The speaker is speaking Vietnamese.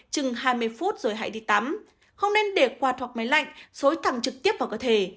chừng hai mươi phút rồi hãy đi tắm không nên để quạt hoặc máy lạnh xối thẳng trực tiếp vào cơ thể